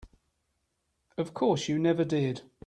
Of course you never did.